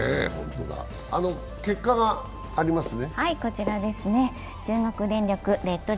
結果がありますね。